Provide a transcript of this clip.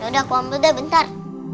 ya udah aku ambil deh bentar